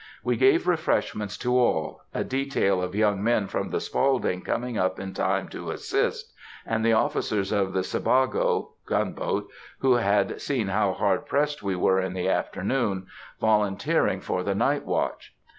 We gave refreshments to all; a detail of young men from the Spaulding coming up in time to assist, and the officers of the Sebago (gunboat), who had seen how hard pressed we were in the afternoon, volunteering for the night watch.